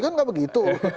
kan gak begitu